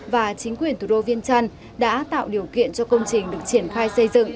và chính quyền thủ đô viên trăn đã tạo điều kiện cho công trình được triển khai xây dựng